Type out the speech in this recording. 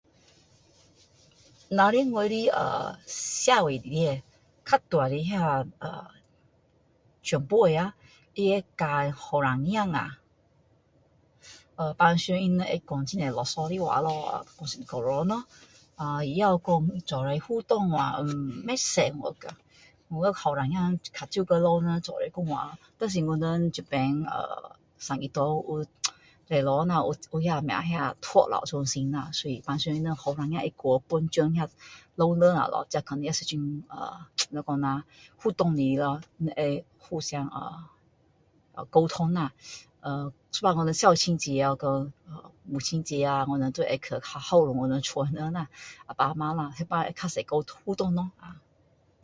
若是我的呃社会里面较大的那个啊长辈啊他会教年轻人啊平时他们会说很多啰嗦的话咯说很久咯啊也有说一起互动的话不多啊我觉得也有很多年轻人很常跟老人家讲话但是我们这边呃三一堂礼拜堂有那什么托老中心那所以那些年轻人会去帮忙照顾老人一下咯所以这可能是一种啊怎么说啦互动来的咯他们会互相沟通啦呃有时我们孝亲节啊母亲节啊有时我们也会会孝顺我们家的人啊爸啊妈呃那时就会比较多互动咯啊